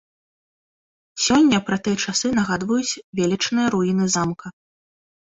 Сёння пра тыя часы нагадваюць велічныя руіны замка.